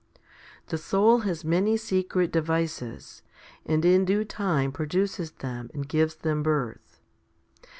The soul has many secret devices, and in due time produces them and gives them birth.